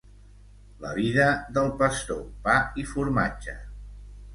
La vida del pastor, pa i formatge.